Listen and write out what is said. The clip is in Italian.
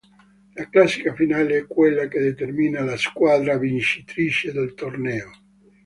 La classifica finale è quella che determina la squadra vincitrice del torneo.